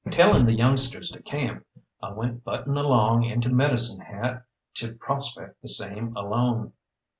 Telling the youngsters to camp, I went butting along into Medicine Hat to prospect the same alone.